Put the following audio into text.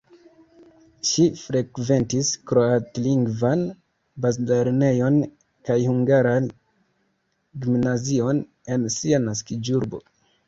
Ŝi frekventis kroatlingvan bazlernejon kaj hungaran gimnazion en sia naskiĝurbo.